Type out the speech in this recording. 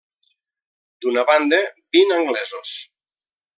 D'una banda, vint anglesos.